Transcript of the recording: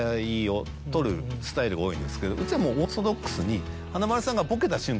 スタイルが多いんですけどうちはもうオーソドックスに。